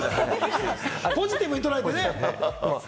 ポジティブに捉えてね。